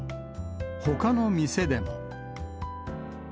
ほかの店でも。